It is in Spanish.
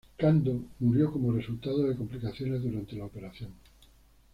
Cando murió como resultado de complicaciones durante la operación.